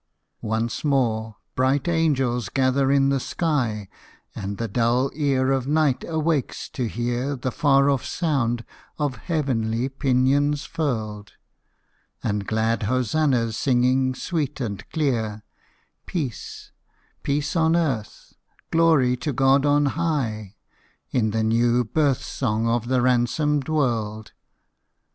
Once more bright angels gather in the sky, And the dull ear of night awakes to hear The far off sound of heavenly pinions furled, And glad hosannas singing sweet and clear — Peace, peace on Earth— glory to God on high, In the new birth song of the ransomed world.